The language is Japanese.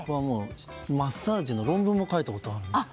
マッサージの論文も書いたことあるんです。